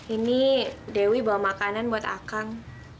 ini dewi bawa makanan buat akang